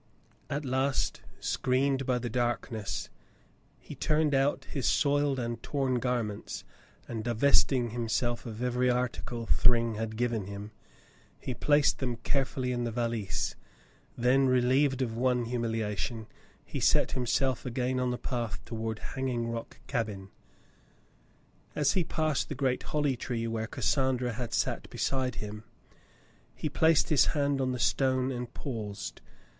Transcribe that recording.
At last, screened by the darkness, he turned out his soiled and torn garments, and divesting himself of every article Thryng had given him, he placed them carefully in the Valise. Then, relieved of one humiliation, he set himself again on the path toward Hanging Rock cabin. As he passed the great holly tree where Cassandra had sat beside him, he placed his hand on the stone and paused.